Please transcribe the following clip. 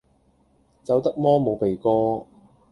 走得摩冇鼻哥